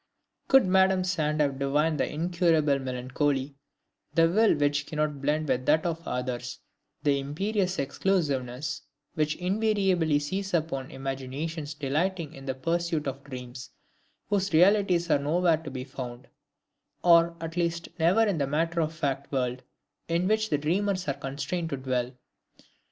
Could Madame Sand have divined the incurable melancholy, the will which cannot blend with that of others, the imperious exclusiveness, which invariably seize upon imaginations delighting in the pursuit of dreams whose realities are nowhere to be found, or at least never in the matter of fact world in which the dreamers are constrained to dwell?